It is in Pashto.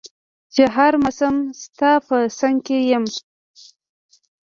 چي هر مسم ستا په څنګ کي يم